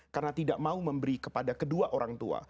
karena tidak mau memberi kepada kedua orang itu